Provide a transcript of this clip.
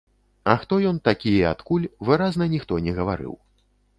А хто ён такі і адкуль, выразна ніхто не гаварыў.